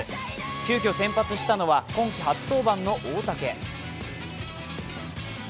急きょ先発したのは今季初登板の大竹。